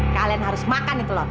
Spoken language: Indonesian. kalian harus makan nih telur